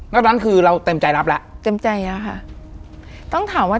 แล้วตอนนั้นคือเราเต็มใจรับแล้วเต็มใจแล้วค่ะต้องถามว่า